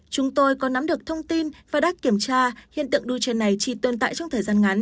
chúng tôi có nắm được thông tin và đã kiểm tra hiện tượng đu trên này chỉ tồn tại trong thời gian ngắn